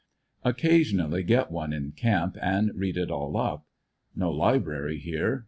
Occasionally get one in camp, and read it all up. No library here.